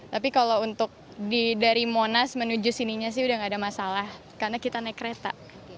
tapi kalau untuk dari monas menuju sininya sih udah gak ada masalah karena kita naik kereta